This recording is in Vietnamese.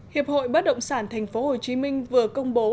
hiệp hội bất động sản tp hcm vừa công bố